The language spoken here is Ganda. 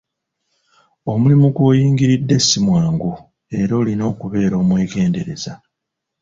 Omulimu gw'oyingiridde si mwangu era olina okubeera omwegendereza.